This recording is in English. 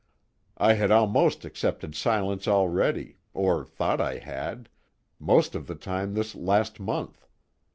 I had almost accepted silence already, or thought I had, most of the time this last month.